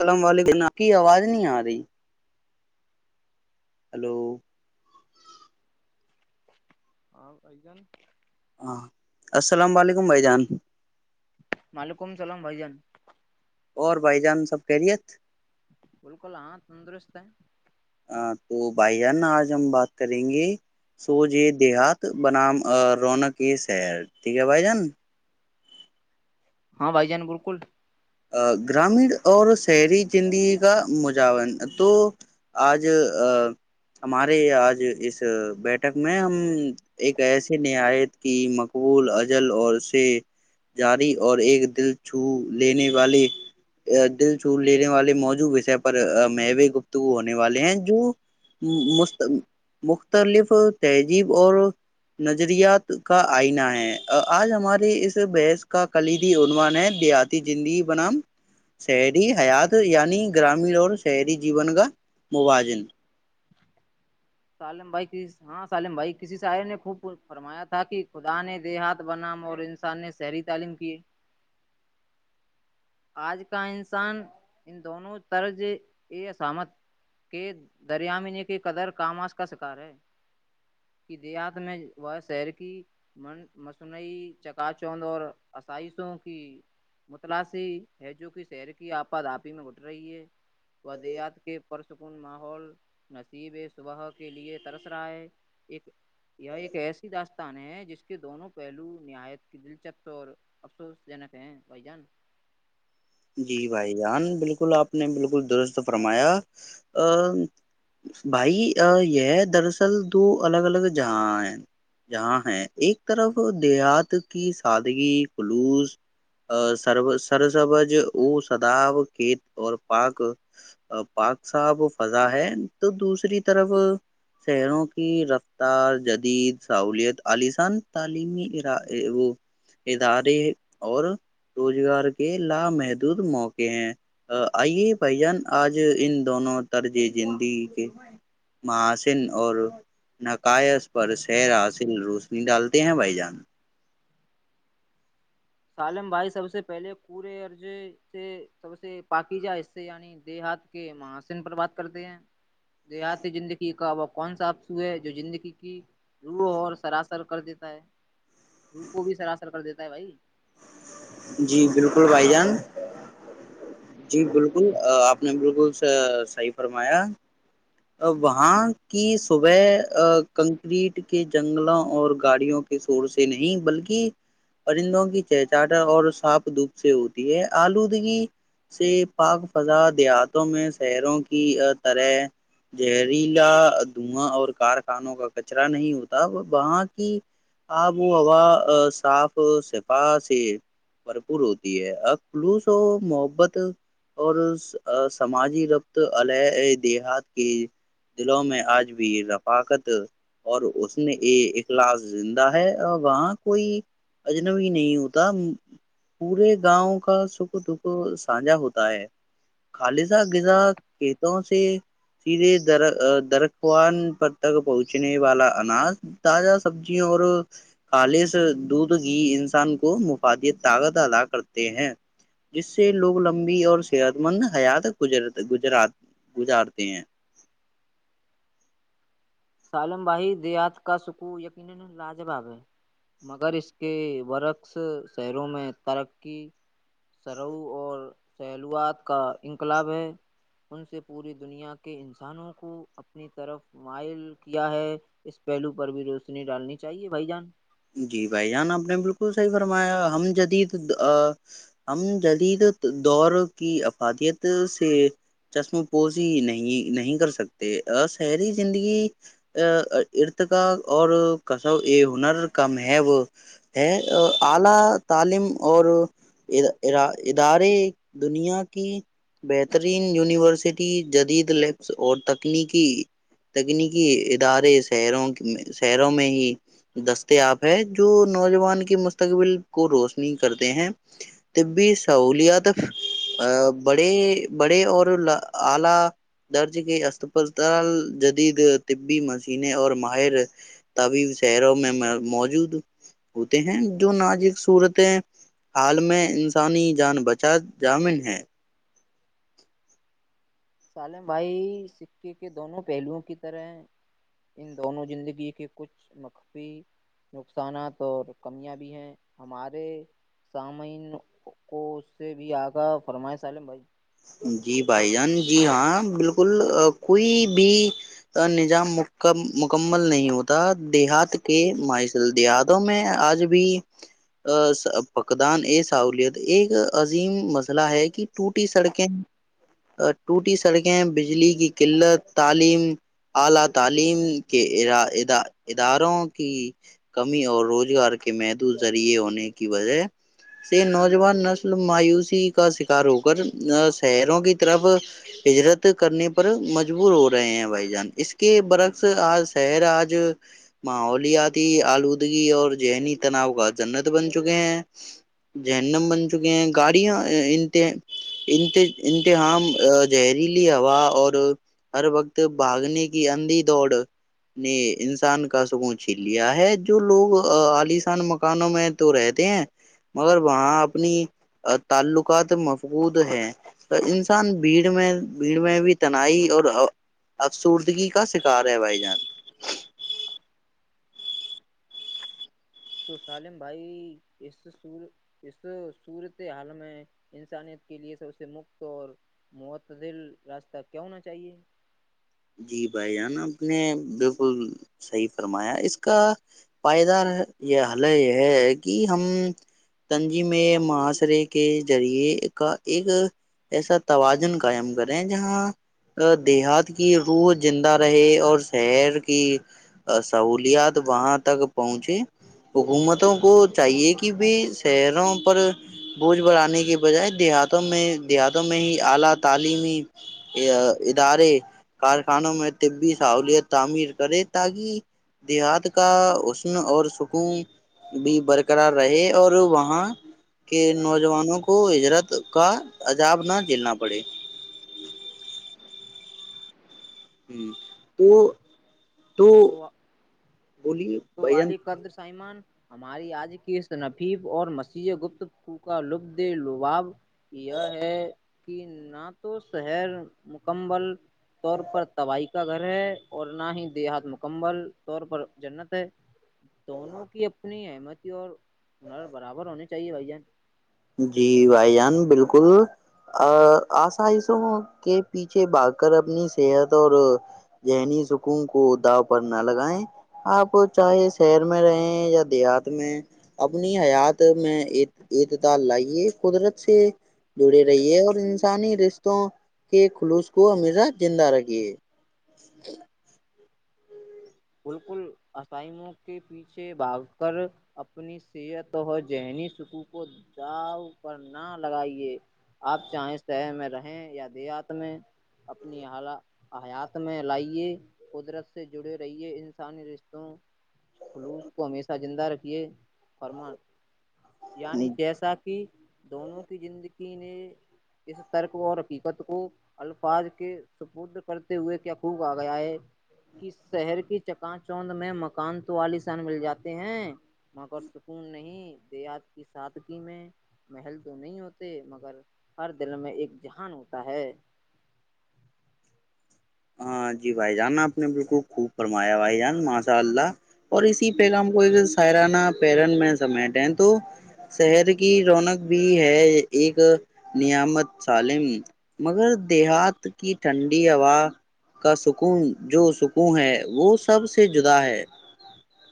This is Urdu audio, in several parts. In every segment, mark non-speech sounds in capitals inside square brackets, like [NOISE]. السلام عل کی آواز نہیں آ رہی ہلو ہاں آئی جان ہاں السلام علیکم بھائی جان ملیکم سلام بھائی جان اور بھ جان سب کہ رت بالکل ہاں تندرست ہے تو بھائی آج ہم بات کریں گے سوج یہ دیہات بنام رونق یہ شہر ٹھیک ہے بھائی جان ہاں بھائی جان بالکل گرامین اور شہری زندگی کا مجان تو آج ہمارے آج اس بیٹک میں ہم ایک ایسے نہایت کی مقبول اجل اور سے جاری اور ایک دل چھو لینے والے دل چ لینے والے موجوع وشے پر مو گپتگو ہونے والے ہیں جو مختلف تہذیب اور نظریات کا آئینہ ہے آج ہمارے اس بحث کا کلیدی عنوان ہے د زندگی بنام شہری حیات یعنی گرامیین اور شہری جیون کا موازن سالم بھائی ک ہاں سالم بھائی کسی شاعر نے خو فرمایا تھا کہ خدا نے دیہات بنام اور انسان نے شہری تعلیم کیے آج کا انسان ان دونوں طرز ا اامت کے دریامین کی قدر کامش کا شکار ہے کہ دیہات میں وہ شر کی مصنوعی چکا چوند اور آسائشوں کی متلاث جو کہ شہر کی آپاد آپی میں اٹھ رہی ہے ودیات کے پرسکون ماحول نصیب صبح کے لیے ترس رہا ہے ایک یہ ایک ایسی داستان ہے جس کے دونوں پہلو نہایت کی دلچسپ اور افسوس جنک ہے بھائی جان جی بھائی جان بالکل آپ نے بالکل درست فرمایا بھائی یہ دراصل دو الگ الگ جہاں ہیں جہاں ہیں ایک طرف دیہات کی سادگی خلوص سر سرسبج وہ سدااب کھیت اور پاک پاک صاحب فضا ہے تو دوسری طرف شہروں کی رفتار جدید سہولیت عسان تعلیمی ادارے اور روزگار کے لامہد دھ موقع ہیں آئیے بھ جان آج ان دونوں طرز زندگ کے محاسن اور نقائش پر سیر حاصل روشنی ڈالتے ہیں بھ جان سالم بھائی سب سے پہلے پورے ارضے سے سب سے پاکیجا حصے یعنی دیہات کے مہاسن پر بات کرتے ہیں دیہات زندگی کابق کون سا اپسو ہے جو زندگی کی روح اور سراسر کر دیتا ہے روح کو بھی سراسر کر دیتا ہے بھائی جی بالکل بھائی جان جی بالکل آپ نے بالکل صحیح فرمایا وہاں کی صبح کنکریٹ کے جنگلوں اور گاڑیوں کے شور سے نہیں بلکہ پرندوں کی چہچاہٹا اور ساپ دھوپ سے ہوتی ہے آلودگی سے پاک فضا دیہاتوں میں شہروں کی طرح زہریلا دھواں اور کارخانوں کا کچرا نہیں ہوتا وہاں کی آب و ہوا صاف شفا سے بھرپور ہوتی ہےخلوص و محبت اور سماجی ربط ع دیہات دلوں میں آج بھی رفاقت اور اس نے یہ اخلاص زندہ ہے اور وہاں کوئی اجنبی نہیں ہوتا پورے گاؤں کا سکھ دکھ سانجا ہوتا ہے خالصہ غذا کتوں سے درخوان پر تک پہنچنے والا اناج تازہ سبزی اور خالص دودھ گ انسان کو مفادی طاقت ادا کرتے ہیں جس سے لوگ لمبی اور صحت مند حیات گر گزرا گزار ت ہیں سالم بھائی دیات کا سکون یقینا لاجواب ہے مگر اس کے ورق سحروں میں ترقی سرو اور سیلوات کا انقلاب ہے ان سے پوری دنیا کے انسانوں کو اپنی طرف مائل کیا ہے اس پہلو پر بھی روشنی ڈالنی چاہیے بھائی جان جی بھائی جان آپ نے بالکل صحیح فرمایا ہم جدید ہم جدید دور کی افادیت سے چشم پوزی نہیں نہیں کر سکتے شہری زندگی ارت کاا اور کس ا ہنر کم ہے وہ ہے اعلی تعلیم اور ادارے دنیا کی بہترین یونیورسٹی جدید لپس اور تکلیقی تگنی کی ادارے سحروں کی سحروں میں ہی یاب ہے جو نوجوان کے مستقبل کو روشنی کرتے ہیں طبی سہولیات بڑے بڑے اور اعلی درج کے اس جدید طبی مشنے اور ماہر طبیب شہروں میں موجود ہوتے ہیں جو نازک صورت حال میں انسانی جان بچا جامن ہے سالم بھائی سکے کے دونوں پہلوؤوں کی طرح ہیں ان دونوں زندگی کے کچھ مخفی نقصانات اور کمیاں بھی ہیں ہمارے سامعین کو اس سے بھی آگاہ فرمائے سالم بھائی جی بھائی جان جی ہاں بالکل کوئی بھی نظام مکمل نہیں ہوتا دیہات کے مل دیہاتوں میں آج بھی پکدان ا سہولت ایک عظیم مسئلہ ہے کہ ٹوٹی سڑک ٹوٹی سڑ گئے ہیں بجلی کی قلت تعلیم اعلی تعلیم کے اداروں کی کمی اور رولی اور کے محدود ذریعے ہونے کی وجہ سے نوجوان نسل مایوسی کا شکار ہو کر شہروں کی طرف ہجرت کرنے پر مجبور ہو رہے ہیں بھائی جان اس کے برعکس آج شہر آج ماحولیاتی آلودگی اور ذہنی تناؤ کا جنت بن چکے ہیں جہنم بن چکے ہیں گاڑیاں انت ان امتحان زہریلی ہوا اور ہر وقت بھاگنے کی اندھی دوڑ نے انسان کا سکون چھیل لیا ہے جو لوگ عالسان مکانوں میں تو رہتے ہیں مگر وہاں اپنی تعلقات بود ہے انسان بھیڑ میں بھیڑ میں بھی تنائی اور افسردگی کا شکار ہے بھائی جان تو سالم بھائی اس سور اس صورت حال میں انسانیت کے لیے سب سے مفت اور معتدل راستہ کیا ہونا چاہیے جی بھائی جانا آپ نے بالکل صحیح فرمایا اس کا پائدار یہ حل یہ ہے کہ ہم تنجیمے معحاشرے کے ذریعے کا ایک ایسا توازن قائم کریں جہاں دیہات یہ ہو زندہ رہے اور سیر کی سہولیات وہاں تک پہنچی حکومتوں کو چاہیے کہ بھی سیروں پر بوجھ بڑھانے کے بجائے دیہاتوں میں دیہاتوں میں ہی اعلی تعلیمی ادارے کارخانوں میں طبی سہولت تعمیر کرے تاکہ دیہات کا حسن اور سکون بھی برقرار رہے اور وہاں کے نوجوانوں کو ہجرت کا عجاب نہ جھیلنا پڑے ہوں تو تو بولیے تو بھائی جان علی قدر سائیمان ہماری آج کے ت نفیب اور مسیحی گپتو کا لبد لباب یہ ہے کہ نہ تو شہر مکمل طور پر توبائی کا گھر ہے اور نہ ہی دیہات مکمل طور پر جنت تو دونوں کی اپنی ہے سمتی اور برابر ہونی چاہیے بھائی جان جی بھائی جان بالکل آسائشوں کے پیچھے با کر اپنی صحت اور ذہنی سکون کو داو پر نہ لگائیں آپ چاہے شہر میں رہےیں یا دیہات میں اپنی حیات میں ال لائیے قدرت سے جڑے رہیے اور انسانی رشتوں کے خلوص کو ہمیشہ زندہ رکھیے بالکل آائموں کے پیچھے بھاگ کر اپنی صحت اور ذہنی سکو کو داؤ کر نہ لگائیے آپ چاہے شہر میں رہیں یا دیہات میں اپنی حیات میں لائیے قدرت سے جڑے رہیے انسانی رشتوں خلوص کو ہمیشہ زندہ رھیے فرمان یعنی جیسا کہ دونوں کی زندگی نے اس ترک اور حقیقت کو الفاظ کے سپد کرتے ہوئے کیاقوب آ گیا ہے کہ شہر کی چکا چوند میں مکان تو عالسان مل جاتے ہیں مگر سکون نہیں دیات کی سادگی میں محل تو نہیں ہوتے مگر ہر دل میں ایک جہان ہوتا ہے ہاں جی بھائی جان آپ نے بالکل خوب فرمایا بھائی جان ماشاء اللہ اور اسی پہل ہم کو سائرانہ پیرن میں سمیٹ ہیں تو شہر کی رونق بھی ہے ایک نعمت سالم مگر دیہات کی ٹھنڈی ہوا کا سکون جو سکون ہے وہ سب سے جدا ہے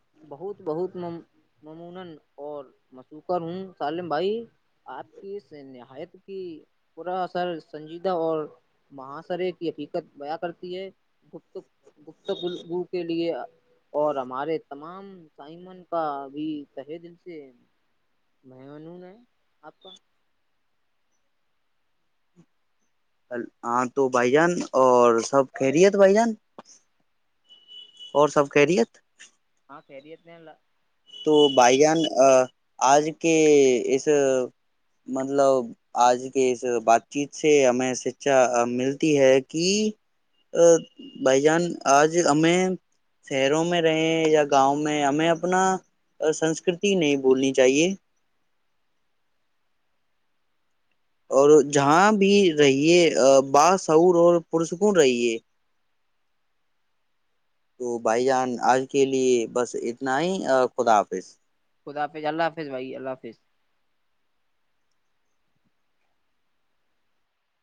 [INAUDIBLE] تمام تائمن کا ابھی تہے دن سے منون ہے آپ کا ہاں تو بھائی جان اور سب کہہ رہیت بھائی جان اور سب کہہ رہیت پیڑتنےلہ تو بھائی جان آج کے اس مطلب آج کے اس بات چیت سے ہمیں شکچھا ملتی ہے کہ بھائی جان آج ہمیں شہروں میں رہے یا گاؤں میں ہمیں اپنا سنسکرتی نہیں بھولنی چاہیے اور جہاں بھی رہیے باشعور اور پرسکوں رہیے تو بھائی جان آج کے لیے بس اتنا ہی خدا حافظ خدافظ اللہ حافظ بھائی اللہ حافظ